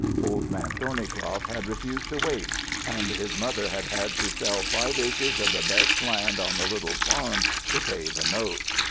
Old Man Thornycroft had refused to wait, and his mother had had to sell five acres of the best land on the little farm to pay the note.